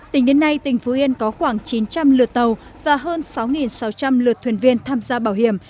tính đến nay tỉnh phú yên có khoảng chín trăm linh lượt tàu và hơn sáu sáu trăm linh lượt thuyền viên tham gia bảo hiểm